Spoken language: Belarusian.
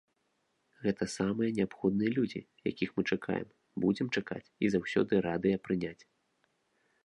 Гэта самыя неабходныя людзі, якіх мы чакаем, будзем чакаць і заўсёды радыя прыняць!